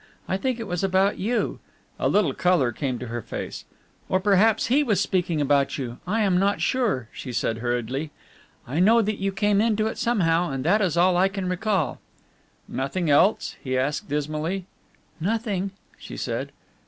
I think it was about you," a little colour came to her face, "or perhaps he was speaking about you, I am not sure," she said hurriedly; "I know that you came into it somehow, and that is all I can recall." "Nothing else?" he asked dismally. "Nothing," she said.